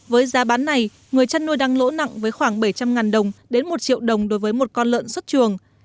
với giá bán này người chăn nuôi đang lỗ nặng với khoảng bảy trăm linh đồng đến một triệu đồng đối với một con lợn xuất trường